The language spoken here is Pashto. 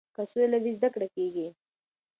که سوله وي زده کړه کیږي.